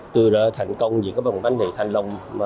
tôi đã thành công diễn ra bánh mì thanh long